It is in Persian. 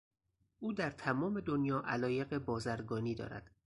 او در تمام دنیا علایق بازرگانی دارد.